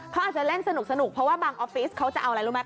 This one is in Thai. เขาอาจจะเล่นสนุกเพราะว่าบางออฟฟิศเขาจะเอาอะไรรู้ไหม